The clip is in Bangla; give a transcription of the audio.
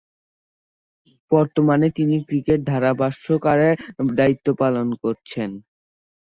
বর্তমানে তিনি ক্রিকেট ধারাভাষ্যকারের দায়িত্ব পালন করছেন।